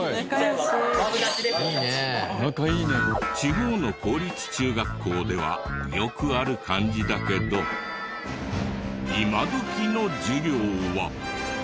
地方の公立中学校ではよくある感じだけど今どきの授業は。